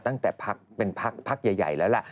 ตั้งแต่พักเป็นพักใหญ่แล้วล่ะ